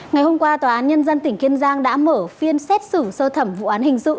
ngày hôm qua tòa án nhân dân tỉnh kiên giang đã mở phiên xét xử sơ thẩm vụ án hình sự